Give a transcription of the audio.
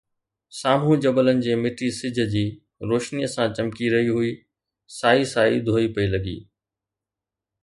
سامهون جبلن جي مٽي سج جي روشنيءَ سان چمڪي رهي هئي، سائي سائي ڌوئي پئي لڳي